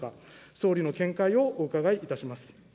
総理の見解をお伺いいたします。